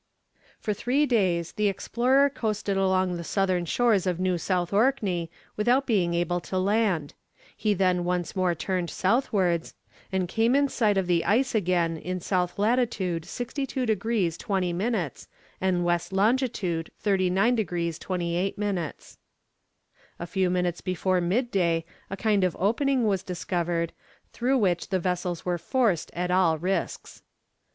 For three days the explorer coasted along the southern shores of New South Orkney without being able to land; he then once more turned southwards, and came in sight of the ice again in S. lat. 62 degrees 20 minutes and W. long. 39 degrees 28 minutes. A few minutes before midday a kind of opening was discovered, through which the vessels were forced at all risks.